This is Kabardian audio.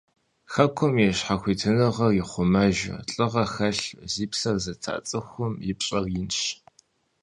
Хэкум и щхьэхуитыныгъэр ихъумэжу, лӀыгъэ хэлъу зи псэр зыта цӀыхум и пщӀэр инщ.